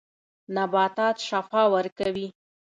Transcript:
نباتات شفاء ورکوي.